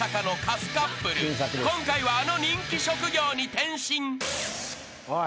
［今回はあの人気職業に転身］おい。